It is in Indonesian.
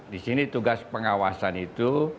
di sini tugas pengawasan itu